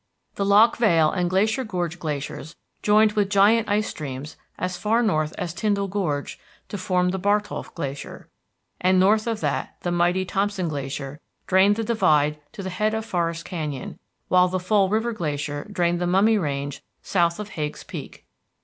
The Loch Vale and Glacier Gorge glaciers joined with giant ice streams as far north as Tyndall Gorge to form the Bartholf Glacier; and north of that the mighty Thompson Glacier drained the divide to the head of Forest Canyon, while the Fall River Glacier drained the Mummy Range south of Hagues Peak.